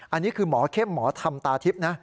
อันนี้คือหมอเข้มหมอธรรมตาทิพย์นะ